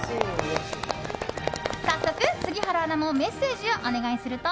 早速、杉原アナもメッセージをお願いすると。